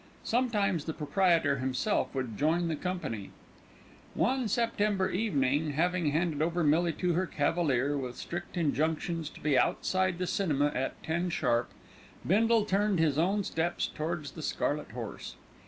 Sometimes the proprietor himself would join the company. One September evening, having handed over Millie to her cavalier with strict injunctions to be outside the Cinema at ten sharp, Bindle turned his own steps towards the Scarlet Horse.